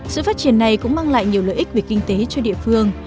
sự phát triển này cũng mang lại nhiều lợi ích về kinh tế cho địa phương